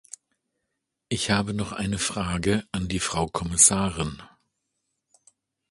Ich habe noch eine Frage an die Frau Kommissarin.